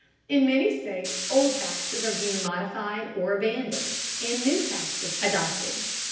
In many states old taxes are being modified or abandoned, and new taxes adopted.